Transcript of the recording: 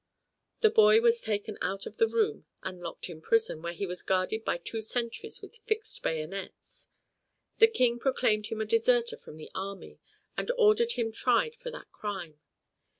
The boy was taken out of the room and locked in prison, where he was guarded by two sentries with fixed bayonets. The King proclaimed him a deserter from the army, and ordered him tried for that crime.